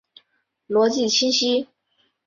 逻辑清晰！